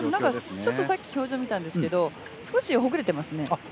ちょっとさっき表情見たんですけど少しほぐれてますね。